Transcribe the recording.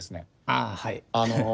ああはい。